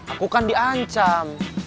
aku kan diancam